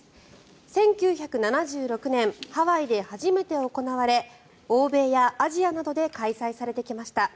１９７６年ハワイで初めて行われ欧米やアジアなどで開催されてきました。